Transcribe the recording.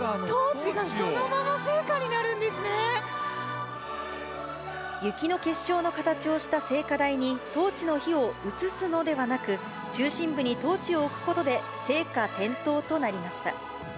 トーチがそのまま聖火になる雪の結晶の形をした聖火台に、トーチの火を移すのではなく、中心部にトーチを置くことで、聖火点灯となりました。